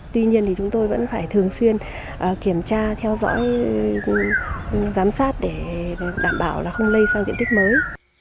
tuy nhiên thì chúng tôi vẫn phải thường xuyên kiểm tra theo dõi giám sát để đảm bảo là không lây sang diện tích mới